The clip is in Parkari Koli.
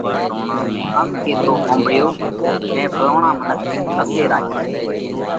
ام ڪيتو ۿومڀۯيو: ”مئين ڦلوڻا منک نئہ ڌسي راکيو